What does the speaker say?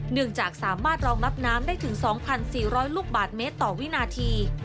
เนื่องจากสามารถรองรับน้ำได้ถึง๒๔๐๐ลูกบาทเมตรต่อวินาที